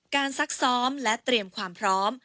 ซักซ้อมและเตรียมความพร้อม